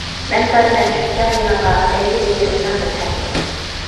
مەن بارىمەن شۇ چاغ يېنىڭغا، رەنجىمىگىن مېنىڭدىن ھەرگىز.